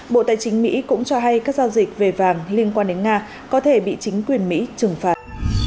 bộ tài chính mỹ cũng cho hay các giao dịch về vàng liên quan đến nga có thể bị chính quyền mỹ trừng phạt